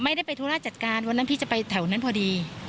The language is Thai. ไม่ได้ไปธุระจัดการวันนั้นพี่จะไปแถวนั้นพอดี